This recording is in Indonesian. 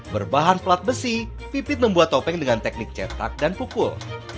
berbahan plat besi pipit membuat topeng dengan teknik cetak dan pukul